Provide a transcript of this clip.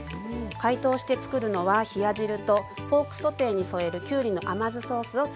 解凍してつくるのは冷や汁とポークソテーに添えるきゅうりの甘酢ソースをつくります。